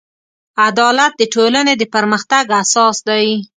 عدالت د ټولنې د پرمختګ اساس دی.